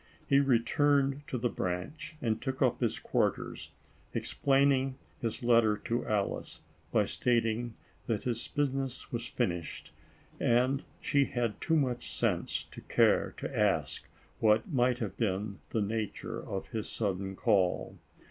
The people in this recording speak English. He returned to the Branch, and took up his quarters, explaining his letter to Alice, by stating that his business was finished, and she had too much sense to care to ask, what might have been the nature of his sud den call.